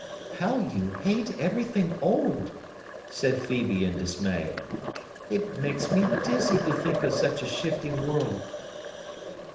"How you hate everything old!" said Phœbe in dismay. "It makes me dizzy to think of such a shifting world!"